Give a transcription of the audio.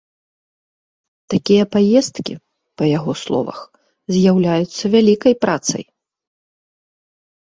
Такія паездкі, па яго словах, з'яўляюцца вялікай працай.